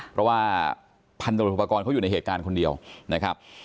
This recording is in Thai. เพราะว่าพันตรวจอุปกรณ์เขาอยู่ในเหตุการณ์คนเดียวนะครับ